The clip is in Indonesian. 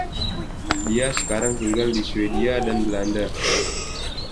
Dia sekarang tinggal di Swedia dan Belanda.